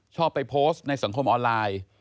ชอบไปโพสต์ในสังคมออนไลน์